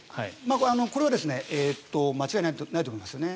これは間違いないと思います。